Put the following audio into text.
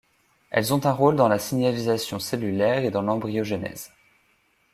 Elles ont un rôle dans la signalisation cellulaire et dans l'embryogenèse.